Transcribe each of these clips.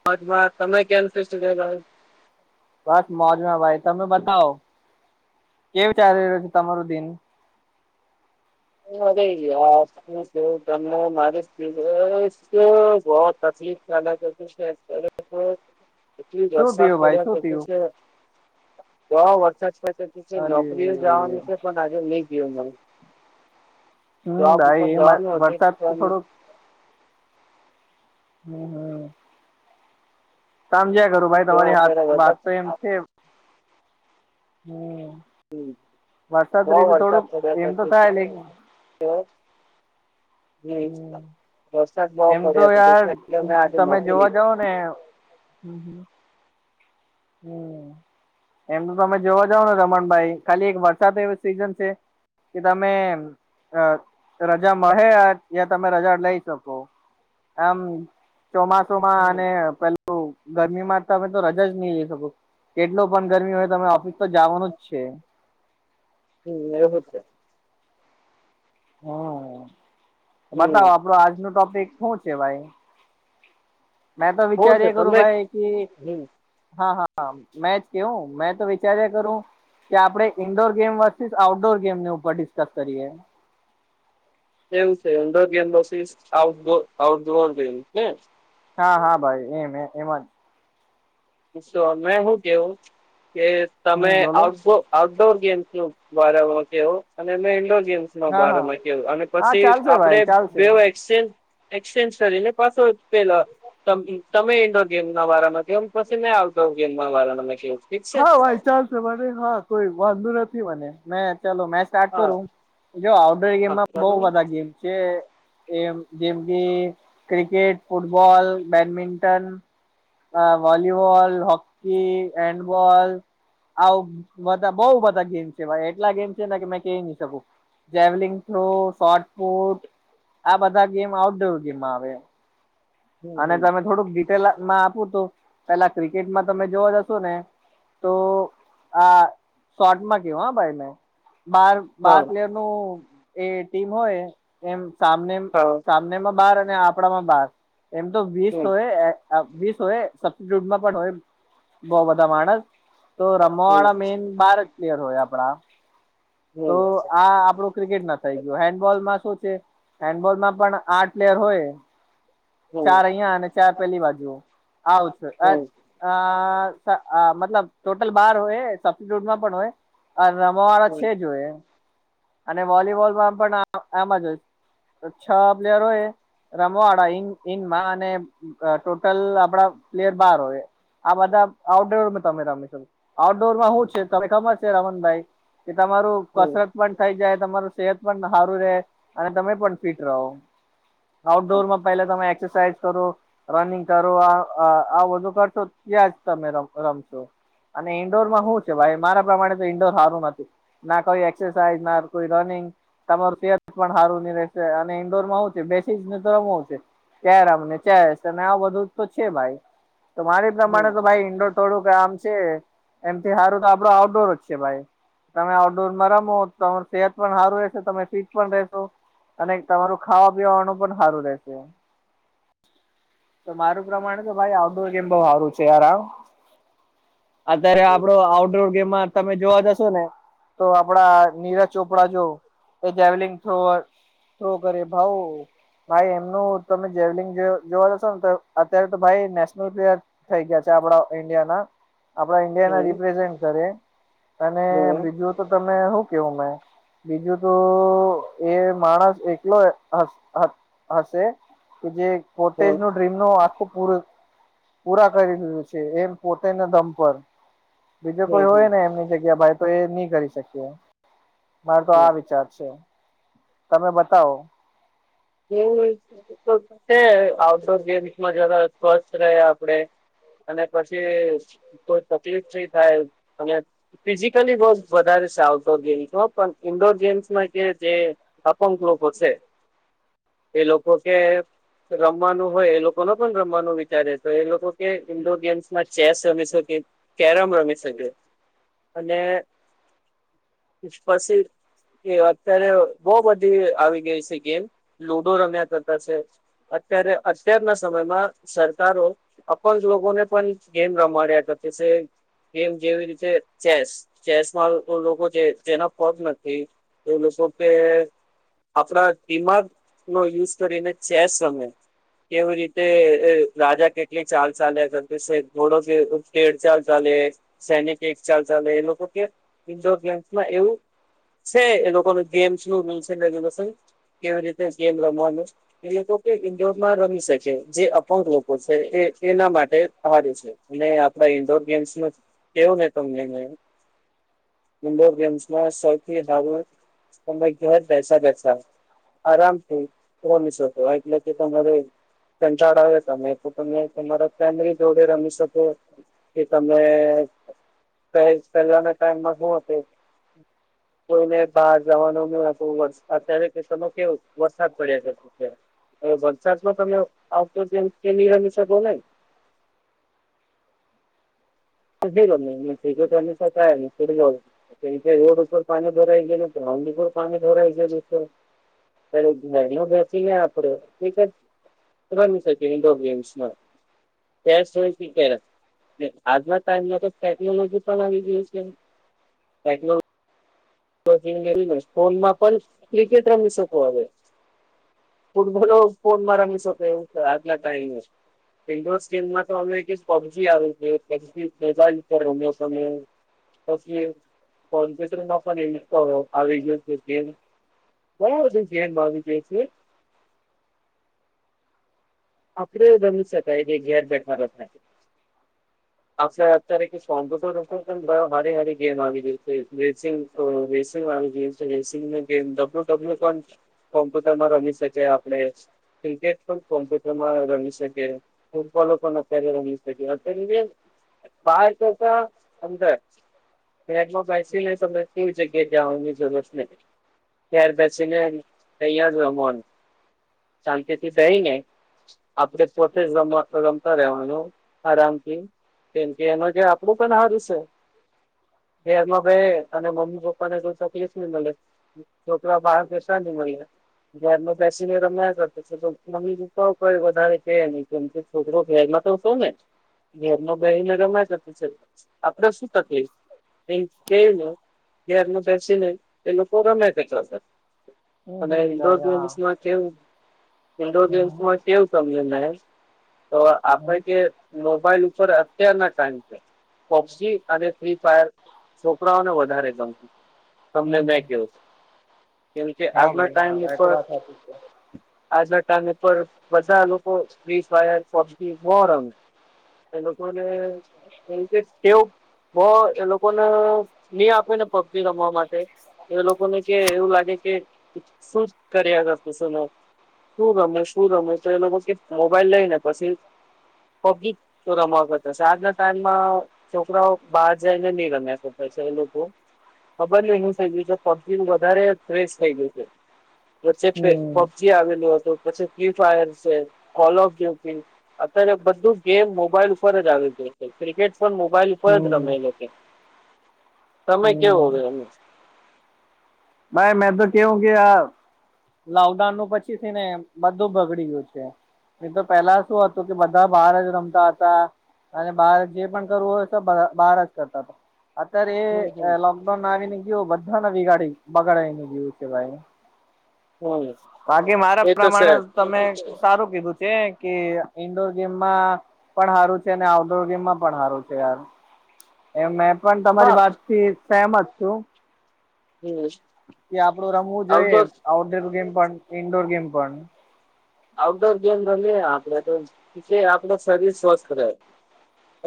[unintelligible] બસ મોજમાં ભાઈ, તમે બતાવો, કેવી ચાલી રહ્યો છે તમારું દિન? [unintelligible] શું કેવુ તમને મારે બ હોત તકલીફ પડે છે [unintelligible] પડે છે. એટલી શું વરસાદ થયું ભાઈ પડ્યા શું પછી થયું છે, તો વરસાદ નોકરીએ અરે જવાનું છે, પણ આજે નઈ ગયો. હમ્મ, એ જવાનું હતું વરસાદ તો પણ થોડો હમ્મ, હમ્મ. સામજ્યા કરું શું ભાઈ કહેવું તમારી અત્યારે [unintelligible] વાત વરસાદ તો એમ છે હમ્મ હમ્મ બહુ વરસાદ પડ્યા એમ કરે તો છે [unintelligible] થાય લે તે હમ [unintelligible] વરસાદ બહુ એમ તો પડ્યો યાર [unintelligible] મેં આજે [unintelligible] [unintelligible] ને હમ્મ હમ્મ હમ્મ એમ તો તમે જોવા જાવ રમણભાઈ ખાલી વરસાદ એવી સીઝન છે કે તમે અ રજા મળે ત્યાં તમે રજા લઈ શકો. આમ ચોમાસુમાં હમ્મ અને પેલું ગરમીમાં તમે તો રજા જ નહી શકો કેટલો પણ ગરમી હોય તમે ઓફિસ તો જાવાનું જ છે હમ્મ એવું જ છે. હમ્મ હમ્મ બતાવો આપડો આજનું ટોપિક હું છે ભાઈ મેં તો કોણ વિચાર છે એ કરું તમે ભાઈ કે હમ્મ હા હા હા મેં કેવું મેં તો વિચાર્યા કરું કે આપડે ઇન્ડોર ગેમ વર્સીસ આઉટડોર ગેમની ઉપર ડિસ્કસ કરીએ. એવું છે એમ indoor game versus outdoor game ને હા હા ભાઈ એમે એમાં જ તો મેં હું કેવું કે તમે હમ બોલો આઉટડોર આઉટડોર ગેમ્સનું બારમાં કેહો અને મે ઈનડોર ગેમ્સ [unintelligible] હા હા બારામાં કેવું અને હા પછી ચાલશે આપડે ભાઈ ચાલશે. બે ઉએક્સચેન્જ એક્સચેન્જ કરીને પાછો પેલા તમ તમે ઇન્ડોર ગેમના વારામાં કોય પછી મેં આઉટડોર ગેમમાં [unintelligible] હાઓ ભાઈ ચાલશે મને હા કોઈ વાંધો નથી મને મેં ચાલો મે સ્ટાર્ટ હા કરું જો આઉટડોર હા ગેમમાં બઉ બરોબર બધા ગેમ છે એમ જેમ કે ક્રિકેટ, ફૂટબોલ, બેડમિન્ટન અ વોલીવોલ, હોકી, હેંડબોલ આવું બધા બઉ બધા ગેમ છે એટલા ગેમ છે ને કે મે કેઈ નહી શકું જેવલિંગ થ્રો સોટપુટ આ બધા ગેમ આઉટડોર ગેમમાં આવે એમ હમ અને હમ તમે થોડુંક ડીટેલમાં આપું તો પેલા ક્રિકેટમાં તમે જોવા જશો ને તો આ શોટમાં કહું હો ભાઈ મે બાર બાર હા પ્લેયરનું એ ટીમ હોય એમ સામને હા સા એમનેમા બાર અને આપણામાં બાર એમ તો વીસ હમ હોય અ વીસ હોય સબસ્ટિટ્યૂટ પણ હોય બહુ બધા માણસ તો રમવા હમ વાળા હમ મેઈન બાર જ પ્લેયર હોય આપડા તો હમ આ આપડુ ક્રિકેટમાં થઈ ગયું હેન્ડબોલમાં શું છે હેન્ડબોલમાં પણ આઠ પ્લેયર હોય [inaudible] ચાર અહીંયા અને ચાર પેલી બાજુ આવું છે હમ આ અ [unintelligible] મતલબ ટોટલ બાર હોય સબસ્ટિટ્યૂટમાં પણ હોય આ રમવાળા છે જ હોય અને વોલીવોલમાં પણ આ આમજ હોય છ પ્લેયર હોય રમવા વાળા [unintelligible] ઇનમાં અને અ ટોટલ આપડા પ્લેયર બાર હોય આ બધા આઉટડોરમે તમે રમી શકો આઉટડોરમાં હું છે તમે ખબર છે રમનભાઈ કે તમારું હમ કસરત પણ થઈ જાય તમારું સેહત પણ સારું રે અને તમે પણ ફિટ રહો. આઉટડોર માં પેલા તમે એક્સરસાાઈઝ કરો. રનિંગ કરો આ આ બધું કરશો ત્યાં જ તમે રમશો રમશો. અને ઈન્ડોરમાં શું છે? ભાઈ મારા પ્રમાણે તો ઈન્ડોર સારું નથી. ના કોઈ એક્સરસાાઈઝ ના કોઈ રનિંગ તમારું સત પણ સારું નની રહેશે, અને ઇન્ડોર માં હ છે, બેસી જને તોમ હોવ છે. તરામને ચ અને આ બધું તો છે, ભાઈ તો મારી પ્રમાણે હમ તો ભાઈ ઇન્ડોર થોડુંક આમ છે, એમથી સારું તો આપડું આઉટડોર જ છે ભાઈ. તમે આઉટડોરમાં રમો, તમાર સેહત પણ સારું રહેશે, તમે ફિટ પણ રહેશો. અને તમારું ખાવા-પીવાનું પણ સારું રહેશે. તો મારું પ્રમાણે તો ભાઈ આઉટડોર ગેમ બહુ સારું છે, યાર આમ. અત્યારે હમ આપડો આઉટડોર ગેમમાં તમે જોવા જશો ને. તો આપડા નીરજ ચોપડા જો એ જાવલિંગ થ શું કરે? ભઉ ભાઈ એમનું. તમે જેવલિંગ જોવા જશો ને, તો અત્યારે તો ભાઈ નેશનલ પ્લેયર થઈ ગયા છે, આપડા ઈન્ડિયા ના આપડા હમ ઈન્ડિયા હમ ના રિપ્રેઝેન્ટ કરે, અને હમ બીજું તો તમે શું કેવું મેં બીજું તો એ માણસ એકલો હશે. કે જે કોટેજ ન હમ ડ્રીમ ન આખું પૂર પૂરા કરી દીધું છે, એમ પોતેને દમ પર બીજો કોઈ હોય હમ ને, એમની જગ્યા ભાઈ તો એ નહી કરી શકીએ. મારો તો આ હમ વિચાર છે, તમે બતાવો. છે, આઉટડોર ગેમ્સમાં જ સ્વસ્થ રહે આપણે. અને પછી કોઈ તકલીફ નઈ થાય અને ફિઝિકલી બહુ વધારે છે, આઉટડોર ગેમ્સમાં પણ ઈન્ડોર ગેમ્સમાં કે જે સાપંકલોકશે એ લોકો કે રમવાનું હોય, એ લોકો ન પણ રમવાનું વિચારે તો એ લોકો કે, ઇન્ડોર ગેમ્સમાં ચેસ રમ શકે. કેરમ રમી શકે, અને પછી એ અત્યારે બહુ બધી આવી ગઈ છે, ગેમ. રમ્યા કરતા છે, અત્યારે સમયમાં સરકારો અપજ લોકોને પણ ગેમ રમાડ્યા હતા તે છે. ગેમ જેવી રીતે ચેસ ચેસમાં લોકો છે, તેના પગ નથી. એ લ શ કે આપડા કિમત યુઝ કરીને અમે. કેવી રીતે રાજા કેટલી ચાલ ચાલે, સંતોષ ઘોડો કે, ખેડચાલ ચાલે. સૈનિક એક ચાલ ચાલે, એ લોકો કે ઇન્ડોર ગેમ્સ માં એવું. છે, એ લોકો ગેમ્સ નું રૂલ છે, રેગ્યુલેશન કેવી રીતે ગેમ રમવાનું. એ તો કે ઈન્ડોરમાં રમી શકે, જે અપંગ લોકો છે, એ એના માટે હાર છે. અને આપડા ઈન્ડોર ગેમ્સમાં કેવું ને, તમને ઇન્ડોર ગેમ્સમાં સૌથી વધારો, તમે ઘર બેસા બેસા આરામથી કોનીસતો એટલે કે તમારે કટાળ આવે, તમે તો તમે તમારા ફેમરી જોડે રમી શકો. કે તને પહેલાના ટાઈમમાં શું? કોઈને બહાર જવાનું અત્યારે. ત કેવ વરસાદ પડ્યા છે, ત્યારે હવે વલસાડ માં આઉટડોર કે નીરમિસ બો ન જ [unintelligible] તે ઈ કેય રોડ ઉપર પાણી ભરાઈ ગેલુ છે ભ્રાઉડી પર પાણી ભરાઈ ગેલુ છે. ત્યારે ઘર નો બેસી ને આપડો એ સબ બની શકે ઇન્ડોર ગેમ્સમાં. ચેસ હોય કે કેરમ જેમ આજના ટાઈમ માં તો ટેક્નોલોજી પણ આવી ગયું છે. ટેકનો લીજી મેં ફોનમાં પણ ક્રિકેટ રમી શકો હવે. ફૂટબોલ હો ફોન માં રમી સકો એવું તો આજ ના ટાઈમેં. ઇન્ડોર્સ ગેમ્સ માં તો હવે અમે એક પબ જી આવે ગયું છે એ પબ જી મોબાઈલ ઉપર રમીયો તમે. પછી એ કમ્પ્યુટ માં [unintelligible] અહ આવી ગયો છે ગેમ્સ ઘણા બધું ગેમ આવી ગયું છે. આપડે રમી શકાય જે ઘેર બેઠ બેઠા છે. આસે અત્યારે કે [unintelligible] હારી હારી ગેમ આવી ગઈ છે રેસિંગ તો રેસિંગ આવી ગયુ છે જે રેસિંગ નું ગેમ ડબલ્યુ ડબ્લ્યુ પણ કોમ્પ્યુટરમાં રમી શકે આપડે ક્રિકેટ પણ કોમ્પ્ય ટર માં રમી શકે. ફૂટબોલો પણ અત્યારે રમી શકે અત્યારે જે બાર ટકા અંદર બેટમાં બેસી ને તમને કેવી જગ્યાએ જાઉની જરૂરત ને ઘેર બેસી ને તૈયાર રમવાનું શાંતિ થી બેહીને આપડે પોતે રમ-રમતા રહેવાનું આરામથી. કેમ કે એમા જે આપડું પણ હારું છે. ઘેરમાં બેહે અને મમ્મી પપ્પા ને કોઈ તકલીફ ની મલે. છોકરા બહાર પેસા ની મલે ઘેરમાં પેસી ને રમ્યા કરતા છે તો મમ્મી દી તો કઈ વધારે છે નહી કેમ કે છોકરો ઘેરમાં તો શેને ઘેર નો બેહી ને રમાયા કરતી છે આપડે શું તકલીફ. એ કેય ને ઘેરમાં બેસીને એ લોકો રમે કરતા છે. હમ અને હમ ઇન્ડોર ભાઈ હા ગેમસ માં કેવું ઇન્ડોર હમ ગેમ્સમાં કેવું સંમલન હે તો આપડ હમ કે મોબાઈલ ઉપર અત્યારના ટાઈમ છે. પોપસી અને ફ્રી ફાયર છોકરાઓને વધારે ગમેં. તમને હમ મેં કેવું કેમ કે હા આજના ભાઈ ટાઈમ હા એ તો પર વાત સાચી છે આજના ટાઈમે ઉપર બધા લોકો ફ્રી ફાયર પબજી બો રમે. એ લોકોને કેમ કે કેવું બો એ લોકોને ની આપે ને પબજી રમવા માટે તો એ લોકો ને કે એવું લાગે કે શુ કર્યા કરતુ છે ને શુ રમું શું રમું તો એ લોકો કે મોબાઈલ લઈને પસી પબ જી ચો રમા કરતા શે આજના ટાઈમમાં છોકરાઓ બહાર જઈ ને નહી રમેં શકે છે. પછી એ લોકો ખબર નઈ હું થઇ ગયું છે પબજી નું વધારે ફ્રેશ થઇ ગયું છે. વચ્ચે પે હમ પબજી આવેલું હતું પછી ફ્રી ફાયર છે કોલ ઓફ ગ્યું પીન અત્યારે બધું ગેમ મોબાઈલ ઉપર જ આવી ગયું છે. ક્રિકેટ પણ મોબાઈલ ઉપર જ હમ રમેં એ લોકો. તમે કેવ હમ હોવે રમે? ભાઈ મેં તો કેવઉં કે આ લોકડાઉન નું પછી થી ને બધું બગડી ગયું છે. ની તો પેલા શું હતું કે બધા બહાર જ રમતા હતા. અને બાર જે પણ કરવું હોય તો, બહાર જ કરતા હતા. અત્યારે હમ હમ એ લોકડાઉન આવીને ગયું, બધાને વિગાડી બગાડી ને ગયું છે ભાઈ. હમ બાકી મારા એ તો છે પ્રમાણે તમે સારું કીધું છે કે, ઈન્ડોર ગેમમાં પણ સારું છે, અને આઉટડોર ગેમમાં પણ સારું છે, યાર. એમ મેં પણ હા તમારી વાત થી સેમત છું. હું. કે આપડું રમવું જોઈએ, આઉટડોર ગેમ પણ ઈન્ડોર ગેમ પણ આઉટડોર ગેમ રમવી, આપણે તો આપ શરીર સ્વસ્થ રહે.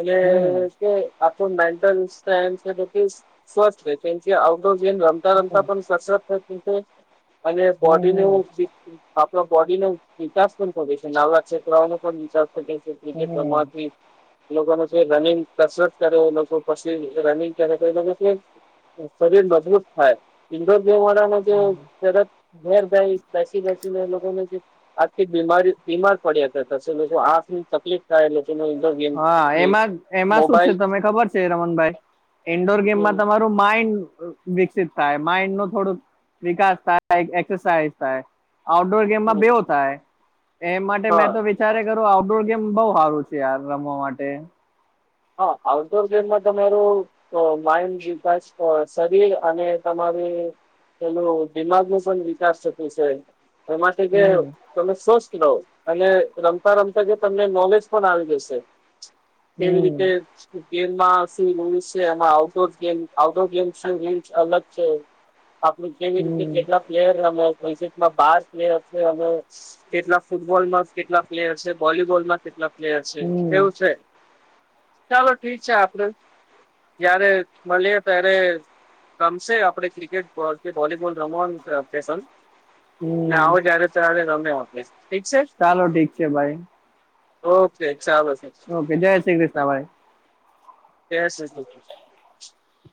અને હમ તે આપ મેન્ટલ ડિસ્ટન્સ તો કે, સ્વસ્થ રહે, આઉટડોર ગેમ રમી. રમતા હમ પણ કસરત થઈ છે, અને બોડીને હમ. ફિટ આપણા બોડીને. વિકાસ પણ કરે છે, નવા ક્ષેત્રનો પણ વિકાસ કરે છે, હમ ક્રિકેટમાંથી. એ લોકોને છે, રનિંગ કસરત કરે, લોકો પછી રનિંગ ક્યારે તોએ લોકો છે. શરીર મજબૂત થાય. ઇન્ડોરગેમ વાળા જે શરદ મેરભાઈ બેસી દેસી લોકોને જે આથી બીમારી બીમાર પડ્યા હતાશે, લોકો આંખ ની તકલીફ થાય એ. [unintelligible] હા, એમાં શું તને ખબર છે? રમનભાઈ ઈન્ડોર ગેમમાં હમ તમારું માઇન્ડ વિકસિત થાય, માઇન્ડ નું થોડું વિકાસ થાય, એક એક્સરસાાઈઝ થાય. આઉટડોર ગેમમાં હમ બેવ થાય, એમ માટે મેં હા તો વિચારે કરું. આઉટડોર ગેમ બઉ સારું છે, યાર રમવા માટે. હા, આઉટડોર ગેમમાં તમારે તો અને તમારી પેલું દિમાગ ન પણ વિકાસ થતું છે, એ માટે કે હમ તમે સ્વસ્થ રહો, અને રમતા-રમતા જે તમને નોલેજ પણ આવી જશે. કેવી રીતે? હમ ગેમમાં શી રૂલ્સ છે, એમાં outdoor game outdoor games rules અલગ છે. [unintelligible] આપડું કેવી રીતે હમ કેટલા પ્લેયર અસેટમાં બાર પ્લેયર છે, અમે. કેટલા કેટલા પ્લેયર છે? વોલીબોલમાં કેટલા પ્લેયર છે? હમ કેવું ચાલો ઠીક છે, આપડે જયારે મળીએ ત્યારે. ગમશે આપડે ક્રિકેટ કે, વોલીબોલ રમવાનું પસંદ હમ આવો જ્યારે ત્યારે તમે વારે ઠીક છે. ચાલો ઠીક છે ભાઈ ઓકે ચાલો છે. ઓકે, જય શ્રી કૃષ્ણભાઈ. જય શ્રી કૃષ્ણ.